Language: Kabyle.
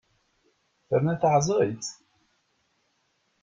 Terna taεẓegt!